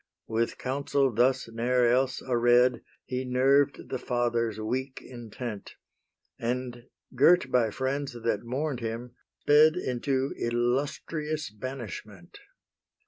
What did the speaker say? With counsel thus ne'er else aread He nerved the fathers' weak intent, And, girt by friends that mourn'd him, sped Into illustrious banishment.